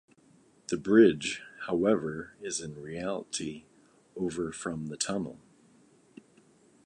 The bridge, however, is in reality over from the tunnel.